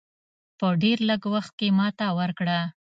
په ډېر لږ وخت کې ماته ورکړه.